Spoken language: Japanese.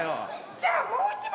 「じゃあもう一問」。